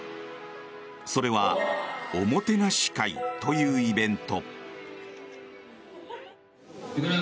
それはおもてなし会というイベント。